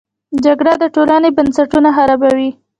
جګړه د ټولنې بنسټونه خرابوي